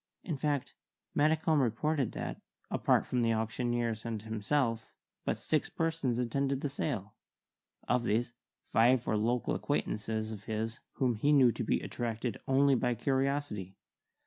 In fact, Maddicombe reported that, apart from the auctioneers and himself, but six persons attended the sale. Of these, five were local acquaintances of his whom he knew to be attracted only by curiosity.